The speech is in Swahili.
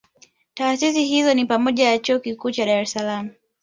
Taasisi hizo ni pamoja na Chuo Kikuu cha Dar es salaam